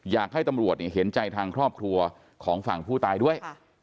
อยากให้ตำรวจเห็นใจทางครอบครัวของฝั่งผู้ตายด้วย